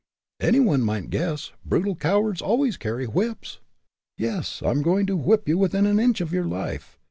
"Any one might guess; brutal cowards always carry whips!" "Yes, I'm going to whip you within an inch of your life.